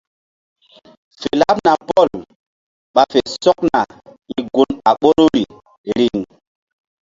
Fe laɓna Pɔl ɓa fe sɔkna hi̧ gun a ɓoruri riŋ.